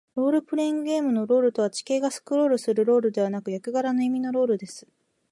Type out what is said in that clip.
ロールプレイングゲームのロールとは、地形がスクロールするロールではなく、役柄の意味のロールです。